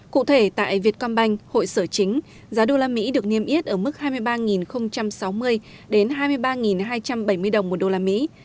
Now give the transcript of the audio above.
cụ thể tại việt quang banh hội sở chính giá đô la mỹ được niêm yết ở mức hai mươi ba sáu mươi hai mươi ba hai trăm bảy mươi đồng một đô la mỹ